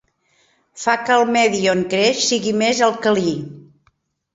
Fa que el medi on creix sigui més alcalí.